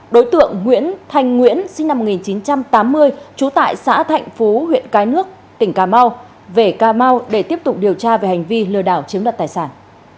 đối tượng nguyễn thanh nguyễn sinh năm một nghìn chín trăm tám mươi trú tại xã thạnh phú huyện cái nước tỉnh cà mau về cà mau để tiếp tục điều tra về hành vi lừa đảo chiếm đoạt tài sản